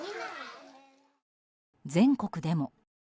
全国でも。